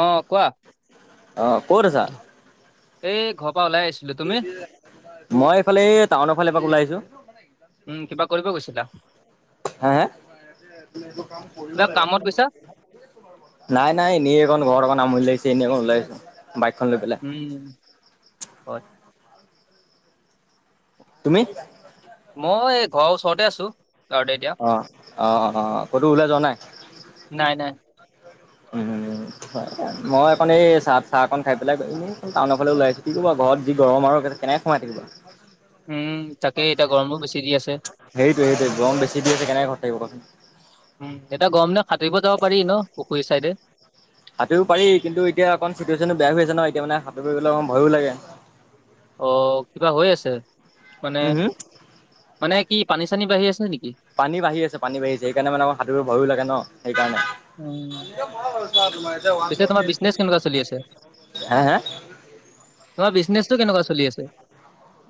অ কোৱা অ ক'ত আছা এই ঘ মই এইফালে এই টাউনৰ ফালে এপাক ওলাই আহিছো। উম কিবা কৰিব গৈছিলা। হে হে কাম কৰিব কিবা লাগিব। কামত গৈছা নাই নাই এনেক ঘৰত অকন আমনি লাইছে এনেই অ'কন ওলাইছো বাইক উম হয় তুমি মই ঘৰৰ ওচৰতে আছো। ঘৰতে এতিয়া অ অ অ অ কতো ওলাই যোৱা নাই। নাই নাই উম উ মই একণ এই চাহ চাহ অকন খাই পেলাই এনেই টাউনৰ ফাঁলে ওলাইছো কি ক'ব ঘৰত ঘৰত যি গৰম আৰু কেনেকৈ সোমাই থাকিব উম তাকে এতিয়া গৰমো বেছি দি আছে। সেইটোৱে সেইটোৱে গৰম বেছি দি আছে কেনেকে ঘৰত থাকিব কোৱাচোন উম এতিয়া গৰম দিনত সাটুৰিব যাব পাৰি ন পুখুৰী চাইদে সাঁতৰিব পাৰি কিন্তু এতিয়া অকণ চিটুৱেশ্যনটো বেয়া হৈ আছে নহয় এতিয়া মানে সাঁতুৰিব গলে অকণ ভয়ো লাগে অ কিবা হৈ আছে মানে হুম হুম? মানে কি পানী চানী বাঢ়ি আছে নেকি পানী বাঢ়ি আছে পানী বাঢ়িছে সেইকাৰণে মানে অকনমান সাতুৰিব ভয়ো লাগে ন সেইকাৰণে উম পিছে তোমাৰ বিজনেছ কেনেকুৱা চলি আছে হে হে তোমাৰ বিজনেচটো কেনেকুৱা চলি আছে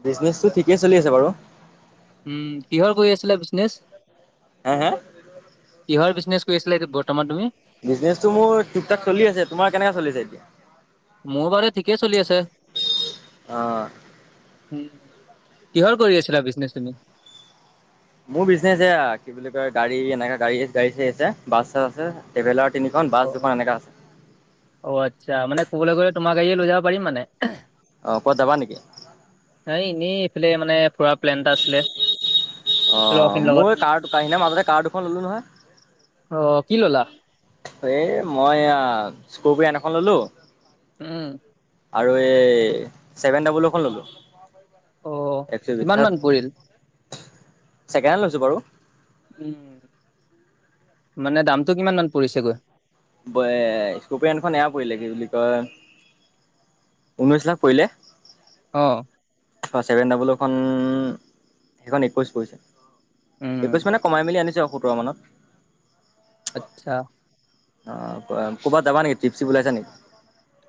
বিজনেছটো ঠিকেই চলি আছে বাৰু। উম কিহৰ কৰি আছিলা বিজনেছ। হা হা কিহৰ বিজনেছ কৰি আছিলা এইটো বৰ্তমান তুমি বিজনেছটো মোৰ ঠিক থাক চলি আছে তোমাৰ কেনেকা চলি আছে এতিয়া মোৰ বাৰু ঠিকেই চলি আছে অ উম কিহৰ কৰি আছিলা বিজনেছ তুমি? মোৰ বিজনেছ এয়া কি বুলি কয় গাড়ী এনেকা গাড়ী গাড়ী চাৰি আছে বাছ চাছ আছে ট্ৰেভেলাৰ তিনিখন বাছ অ দুখন এনেকা আছে অ আচ্ছা মানে কবালৈ গলে তোমাৰ গাড়ীয়ে লৈ যাব পাৰিম মানে অ ক'ত যাবা নেকি এনেই এইফালে মানে ফুৰা প্লেন এটা আছিলে অ লগৰ খিনিৰ লগত মোৰ এই কাৰ কাহিনা মাজতে কাৰ দুখন ললো নহয় অ কি ললা এ মই স্কপিয় এখন ললো উম আৰু এই ছেভেন ডাবলিও এখন ললো অ একশো কিমান বিসাত মান পৰিল ছেকেণ্ড হেণ্ড লৈছো বাৰু উম মানে দামটো কিমান মান পৰিছেগৈ এ স্কুপেয়নখন এয়া পৰিলে কি বুলি কয় ঊনৈছ লাখ পৰিলে অ হয় ছেভেন ডাবলোখন সেইখন একৈছ পৰিছে উম একৈশ মানে কমাই মেলি আনিছো আও সোতৰ মানত আচ্ছা অ ক'ৰবাত যাবা নেকি টিপ চিপ ওলাইছে নেকি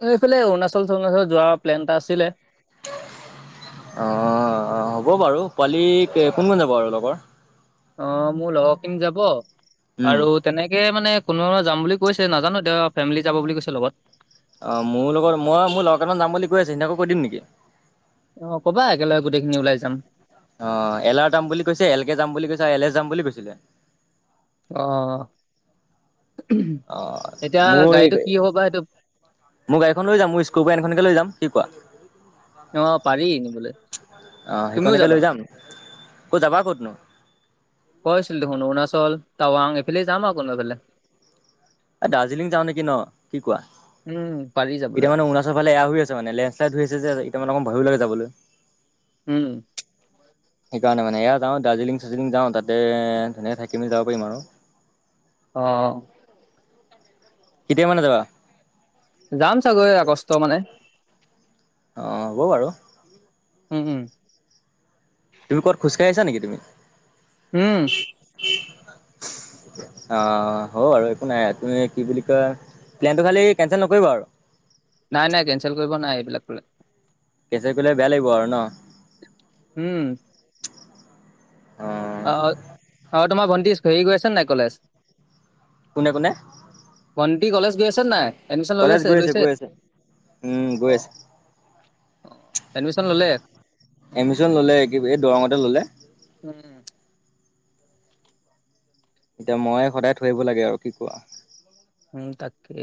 এইফালে অৰুণাচল চৰুণাচল যোৱা প্লেন এটা আছিলে অ হ'ব বাৰু পোৱালি কোন কোন যাব আৰু লগৰ অ মোৰ লগৰখিনি যাব উম আৰু তেনেকে মানে কোনোবা যাম বুলি কৈছে নাজানো এতিয়া ফেমিলি যাব বুলি কৈছে লগত অ মোৰ লগত মই মোৰ লগৰ কেইটামান যাম বুলি কৈ আছে সিহতকো কৈ দিম নেকি অ ক'বা একেলগে গোটেইখিনি ওলাই যাম অ এলাৰ যাম বুলি কৈছে এলকে যাম বুলি কৈছে এলে যাম বুলি কৈছিলে অহ অ মোৰ এই কি হ'ব বা সেইটো মোৰ গাড়ীখন লৈ যাম মোৰ স্কপিয়ানখনকে লৈ যাম কি কোৱা অ পাৰি নিবলৈ অহ তুমিও সেইখনকে যাবা লৈ যাম কত যাবা কতনো কৈছিলো দেখোন অৰুণাচল টাৱাং এইফালে যাম আ কোনবাফালে এই দাৰ্জিলিং যাওঁ নেকি ন কি কোৱা উম পাৰি যাবলৈ এতিয়া মানে অৰুণাচৰ ফালে এয়া হৈ আছে মানে লেণ্ডছ্লাইড হৈ আছে যে এতিয়া মানে অকন ভয়ো লাগে যাবলৈ উম কাৰণে মানে এয়া যাওঁ দাৰ্জিলিং চাৰ্জিলিং যাওঁ তাতে ধুনীয়াকে থাকি মেলি যাব পাৰিম আৰু অ কেতিয়া মানে যাবা যাম চাগৈ আগষ্ট মানে অ হব বাৰু উম উম কইআছা নেকি তুমি [unintelligible] উম [inaudible] অ হ' আৰু একো নাই তুমি কি বুলি কোৱা প্লেনটো খালী কেনচেল নকৰিবা আৰু নাই নাই কেনচেল কৰিব নাই এইবিলাক ব [unintelligible] কেচা কৰিলে বেয়া লাগিব আৰু ন উম অ অঁ অঁ তোমাৰ ভণ্টি হেৰি গৈ আছে নাই কলেজ কোনে কোনে ভণ্টি কলেজ গৈ আছে নে নাই এডমিশ্যন ললে কলেজ গৈ আছে লৈছে গৈ আছে উম গৈ অ আছে অ এডমিশ্যন ললে এডমিশন ল'লে কি বুলি এই দৰঙতে ল'লে। উম এতিয়া মই সদায় থৈ আহিব লাগে আৰু কি কোৱা। উম তাকে।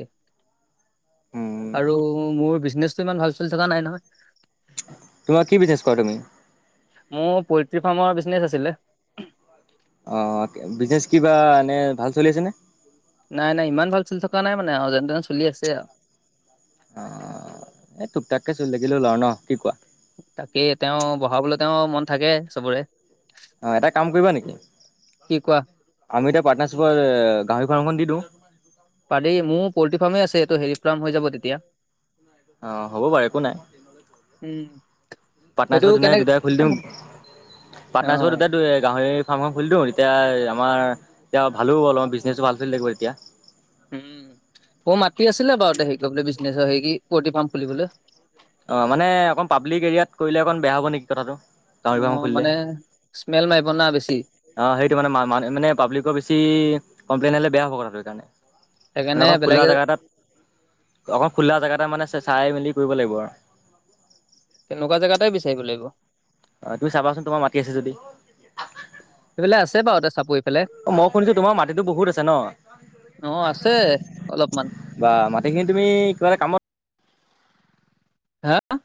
উম, আৰু মোৰ বিজনেচটো ইমান ভাল চলি থকা নাই নহয়। তোমাৰ কি বিজনেছ কৰা তুমি? মোৰ পয়েট্ৰী ফাৰ্মৰ বিজ [unintelligible] ছলে [unintelligible] অহ, বিজনেচ কিবা এনে ভাল চলি আছে নে? নাই- নাই ইমান ভাল চলি থকা নাই মানে আৰু যেনে -তেন চলি আছে আৰু। অ', এই টুপ- টাককে চল থাকিলেও হল আৰু ন' কি কোৱা? তাকেই তেওঁ বঢ়াবলৈ তেওঁ মন থাকে চবৰে অহ, এটা কাম কৰিবা নেকি? কি কোৱা আমি এতিয়া পাৰ্টনাৰচিপৰ গাহৰি ফাৰ্মখন দি দিওঁ? পাৰি মোৰ পল্ট্ৰি ফাৰ্মেই আছে এইটো হেৰি ফাৰ্ম হৈ যাব তেতিয়া। [unintelligible] অহ, হ'ব বাৰু একো নাই। উম, সেইটো পাটনাৰচিপত কেনে ধুনীয়াকে দুটাই খুলি দিম। অ পাটনাৰিচপত দুটাই গাহৰি ফাৰ্মখন খুলি দিও এতিয়া আমাৰ এতিয়া ভালো অলপ বিজনেছটো ভাল চলিলে গৈ এতিয়া। উম, মক মাতি আছিলে বাৰুতি হেৰি কৰিবলৈ বিজনেছৰ হেৰি কি পৰ্টি ফাৰ্ম খুলিবলৈ। [unintelligible] অহ, মানে অকণ পাব্লিক এৰিয়াত কৰিলে অকণ বেয়া হব নেকি কথাটো? অহ, মানে স্মেল ম অহ, সেইটো মানে মা মানে পাব্লিকৰ বেছি কমপ্লেইন হলে বেয়া [unintelligible] মানে সেইকাৰণে অকণ খুলা বেলেগে জেগা এটাত অকল খোলা জেগা এটাত মানে চাই মে [unintelligible] কৰিব লাগিব আৰু। তেনেকুৱা জেগাতে বিচাৰিব লাগিব। অ', তুমি চাবাচোন তোমাৰ মাটি আছে যদি। সেইফালে আছে বাৰু এটা চাপৰি ফালে মই শুনিছো তোমাৰ মাটিতো বহুত আছে ন'? অ আছে অলপমান বা মাটিখিনি তুমি কিবা এটা কামত হা